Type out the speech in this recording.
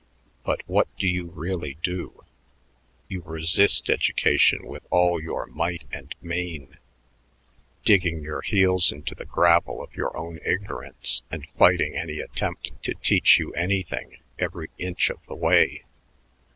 But what do you really do? You resist education with all your might and main, digging your heels into the gravel of your own ignorance and fighting any attempt to teach you anything every inch of the way.